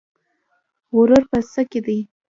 غرور په څه کې دی؟